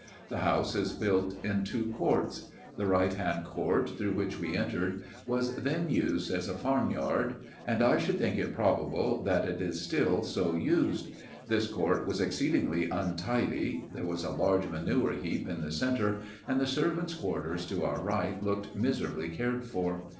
The house is built in two courts. The right hand court through which we entered was then used as a farm yard ; and I should think it probable that it is still so used. This court was exceedingly untidy. There was a large manure heap in the centre ; and the servants' quarters to our right looked miserably cared for.